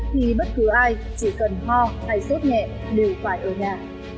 thì bất cứ ai chỉ cần ho hay sốt nhẹ đều phải ở nhà